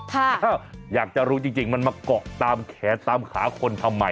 อยากจะรู้จริงมันมาเกาะตามแขนตามขาคนทำไม